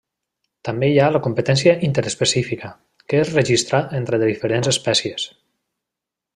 També hi ha la competència interespecífica, que es registra entre diferents espècies.